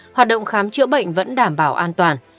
hoạt động khám chữa bệnh vẫn đảm bảo an toàn